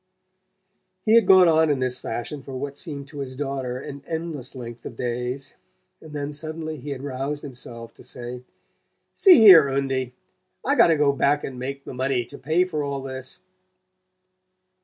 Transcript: He had gone on in this fashion for what seemed to his daughter an endless length of days; and then suddenly he had roused himself to say: "See here, Undie, I got to go back and make the money to pay for all this."